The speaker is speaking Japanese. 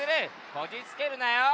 こじつけるなよ！